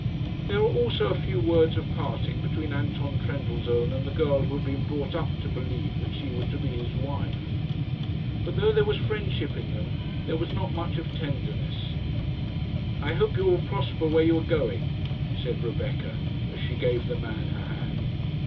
There were also a few words of parting between Anton Trendellsohn and the girl who had been brought up to believe that she was to be his wife; but though there was friendship in them, there was not much of tenderness. "I hope you will prosper where you are going," said Rebecca, as she gave the man her hand.